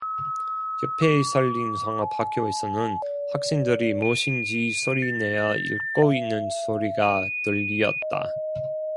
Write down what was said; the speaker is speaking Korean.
옆의 선린 상업 학교에서는 학생들이 무엇인지 소리내어 읽고 있는 소리가 들리었다.